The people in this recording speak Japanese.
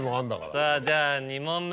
さぁじゃあ２問目。